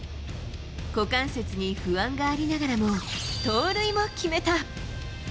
股関節に不安がありながらも、盗塁も決めた。